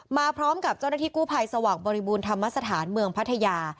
มาพร้อมกับเจ้าหน้าที่กู้ภัยสว่างบริบูรณธรรมสถานเมืองพัทยา